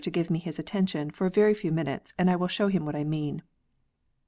to give me his attention for a very few minutes, and I will show him what I mean.